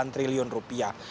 delapan triliun rupiah